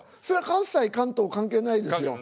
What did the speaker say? それは関西関東関係ないですよ。